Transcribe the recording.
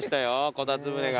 こたつ舟が。